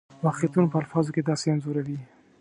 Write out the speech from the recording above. واقعیتونه په الفاظو کې داسې انځوروي.